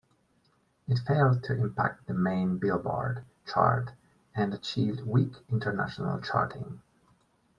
It failed to impact the main "Billboard" chart, and achieved weak international charting.